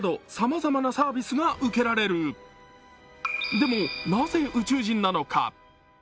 でも、なぜ宇宙人なのか？